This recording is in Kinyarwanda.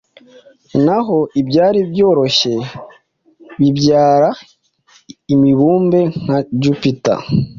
naho ibyari byoroshye bibyara imibumbe nka Jupiter